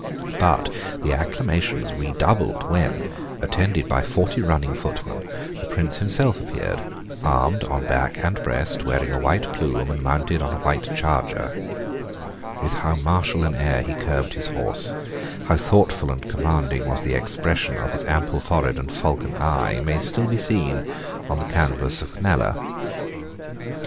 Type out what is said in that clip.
But the acclamations redoubled when, attended by forty running footmen, the Prince himself appeared, armed on back and breast, wearing a white plume and mounted on a white charger. With how martial an air he curbed his horse, how thoughtful and commanding was the expression of his ample forehead and falcon eye, may still be seen on the canvass of Kneller.